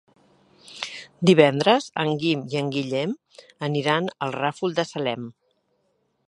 Divendres en Guim i en Guillem aniran al Ràfol de Salem.